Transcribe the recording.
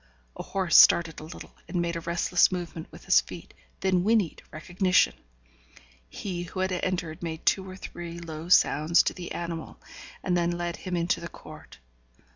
A horse started a little, and made a restless movement with his feet, then whinnied recognition. He who had entered made two or three low sounds to the animal, and then led him into the court.